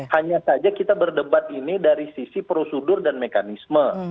hanya saja kita berdebat ini dari sisi prosedur dan mekanisme